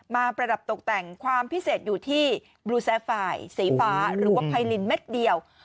ประดับตกแต่งความพิเศษอยู่ที่บลูแซไฟล์สีฟ้าหรือว่าไพรินเม็ดเดียว